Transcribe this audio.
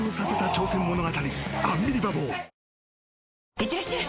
いってらっしゃい！